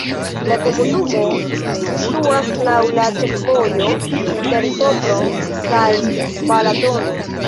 La komunumo situas laŭ la ĉefvojo inter Sopron kaj Balatono.